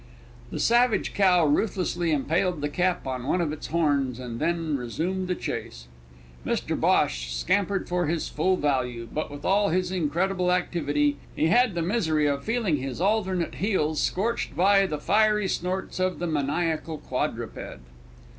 The savage cow ruthlessly impaled the cap on one of its horns, and then resumed the chase. Mr Bhosh scampered for his full value, but, with all his incredible activity, he had the misery of feeling his alternate heels scorched by the fiery snorts of the maniacal quadruped.